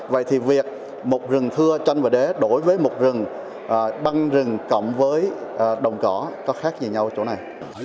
vậy thì việc một rừng thưa tranh và đế đổi với một rừng băng rừng cộng với đồng cỏ có khác gì nhau ở chỗ này